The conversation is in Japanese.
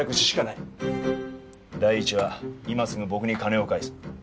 第１は今すぐ僕に金を返す。